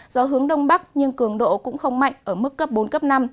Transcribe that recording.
gió hướng đông bắc nhưng cường độ cũng không mạnh ở mức cấp bốn cấp năm